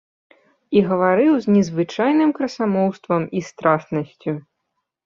І гаварыў з незвычайным красамоўствам і страснасцю.